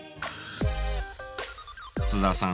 津田さん